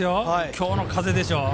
今日の風でしょ。